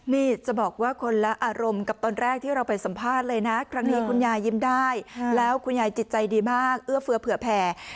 นี่จะบอกว่าคนละอารมณ์กับตอนแรกที่เราไปสัมภาษณ์เลยนะครั้งนี้คุณยายยิ้มได้แล้วคุณยายจิตใจดีมากเอื้อเฟือเผื่อแผ่